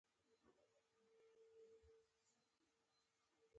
د شپاړسمې پېړۍ په لومړیو کې هسپانویان دې سیمې ته ورغلل